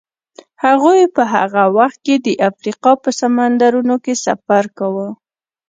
هغوی په هغه وخت کې د افریقا په سمندرونو کې سفر کاوه.